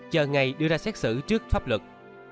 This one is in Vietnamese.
chờ ngày đưa ra xét xử trước pháp luật